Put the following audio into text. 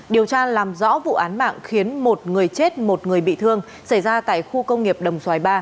điều tra làm rõ vụ án mạng khiến một người chết một người bị thương xảy ra tại khu công nghiệp đồng xoài ba